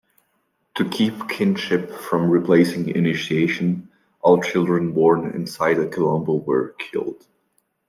To keep kinship from replacing initiation, all children born inside a kilombo were killed.